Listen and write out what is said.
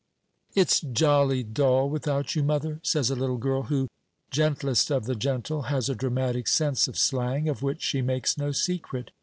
"It's jolly dull without you, mother," says a little girl who gentlest of the gentle has a dramatic sense of slang, of which she makes no secret.